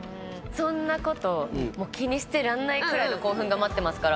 そんなこと気にしてらんないくらいの興奮が待ってますから。